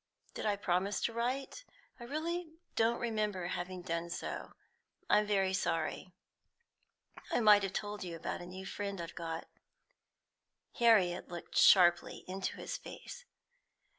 "Did I promise to write? I really didn't remember having done so; I'm very sorry. I might have told you about a new friend I've got." Harriet looked sharply into his face.